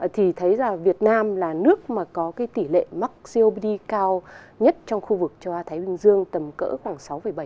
thì thấy rằng việt nam là nước mà có cái tỷ lệ mắc cobd cao nhất trong khu vực châu á thái bình dương tầm cỡ khoảng sáu bảy